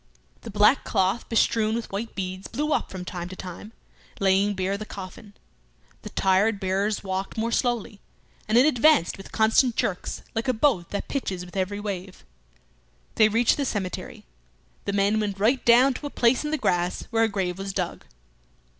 The black cloth bestrewn with white beads blew up from time to time, laying bare the coffin. The tired bearers walked more slowly, and it advanced with constant jerks, like a boat that pitches with every wave. They reached the cemetery. The men went right down to a place in the grass where a grave was dug.